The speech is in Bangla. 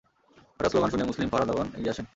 হঠাৎ শ্লোগান শুনে মুসলিম পাহারাদারগণ দৌড়ে আসেন।